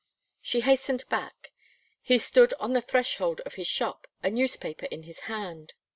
She hastened back; he stood on the threshold of his shop, a newspaper in his hand.